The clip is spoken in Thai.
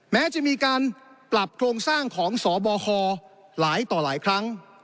แม้จะมีการปรับโครงสร้างของสบคหลายต่อหลายครั้ง